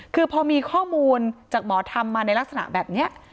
คือพอมีข้อมูลจากหมอธรรมมาในลักษณะแบบนี้